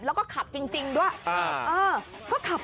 เรารู้ว่าไหน